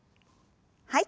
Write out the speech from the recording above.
はい。